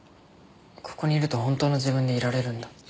ここにいると本当の自分でいられるんだ。